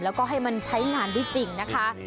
แล้วก็ให้มันใช้งานได้จริงนะคะ